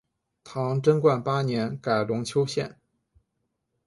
唐贞观八年改龙丘县。